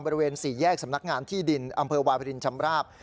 บริเวณสี่แยกสำนักงานที่ดินอำเภอวาบรินชำราบ